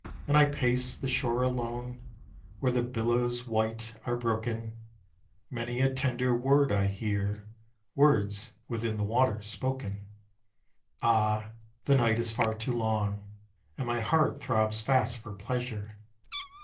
And I pace the shore alone, Where the billows white are broken. Many a tender word I hear, Words within the water spoken. Ah, the night is far too long, And my heart throbs fast for pleasure.